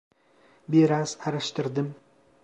Biraz araştırdım.